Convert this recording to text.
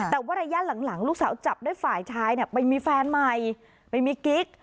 แต่ว่าระยะหลังลูกสาวจับได้ฝ่ายชายไปมีแฟนใหม่ไปมีกิ๊ก